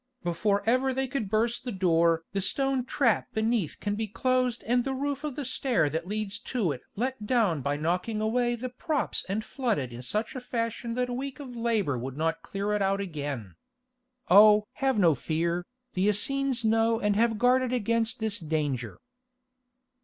"Before ever they could burst the door the stone trap beneath can be closed and the roof of the stair that leads to it let down by knocking away the props and flooded in such a fashion that a week of labour would not clear it out again. Oh! have no fear, the Essenes know and have guarded against this danger."